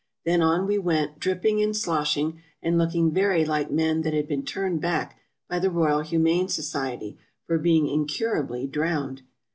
Then on we went, dripping and sloshing, and looking very like men that had been turned back by the Royal Humane Society for being incurably drowned.